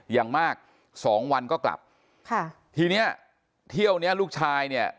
อย่างมากสองวันก็กลับค่ะทีเนี้ยเที่ยวเนี้ยลูกชายเนี่ย